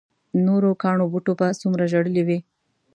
نورو کاڼو بوټو به څومره ژړلي وي.